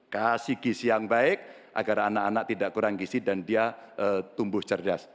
kasih gizi yang baik agar anak anak tidak kurang gizi dan dia tumbuh cerdas